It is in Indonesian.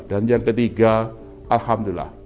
dan yang ketiga alhamdulillah